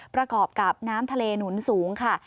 ประกอบกับน้ำทะเลหนุนสูงค่ะ